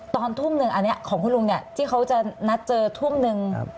ตอนทุ่มหนึ่งอันนี้ของคุณลุงเนี่ยที่เขาจะนัดเจอทุ่มหนึ่ง